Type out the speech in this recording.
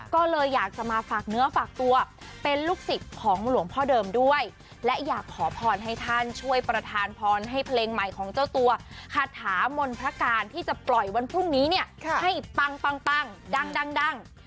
ก็เลยอยากจะมาฝากเนื้อฝากตัวเป็นลูกศิษย์ของหลวงพ่อเดิมด้วยและอยากขอพรให้ท่านช่วยประธานพรให้เพลงใหม่ของเจ้าตัวคาถามนพระการที่จะปล่อยวันพรุ่งนี้เนี่ยให้ปังปังดัง